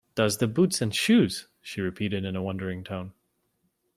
‘Does the boots and shoes!’ she repeated in a wondering tone.